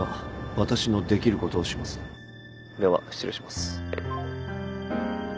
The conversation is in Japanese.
では失礼します。